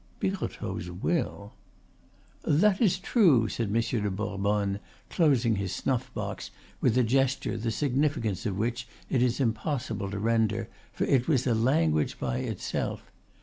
Birotteau's will! "That is true," said Monsieur de Bourbonne, closing his snuff box with a gesture the significance of which it is impossible to render, for it was a language in itself.